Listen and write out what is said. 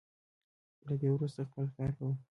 له دې وروسته خپل کار کوم.